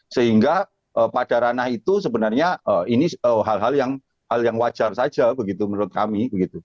sehingga pada ranah itu sebenarnya ini hal hal yang wajar saja begitu menurut kami